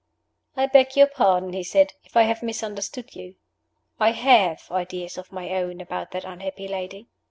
"I beg your pardon," he said, "if I have misunderstood you. I have ideas of my own about that unhappy lady."